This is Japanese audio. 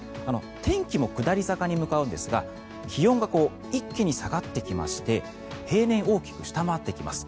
天気も下り坂に向かうんですが気温が一気に下がってきまして平年を大きく下回ってきます。